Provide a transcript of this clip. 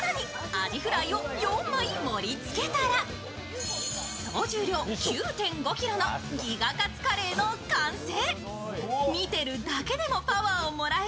アジフライを４枚盛りつけたら総重量９．５ｋｇのギガかつカレーの完成。